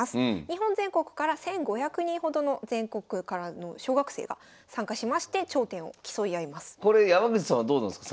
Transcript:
日本全国から１，５００人ほどの全国からの小学生が参加しまして頂点を競い合います。